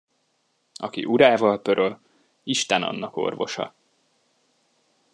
Aki urával pöröl, Isten annak orvosa.